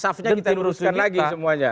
jadi safnya kita luruskan lagi semuanya